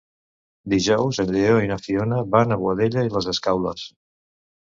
Dijous en Lleó i na Fiona van a Boadella i les Escaules.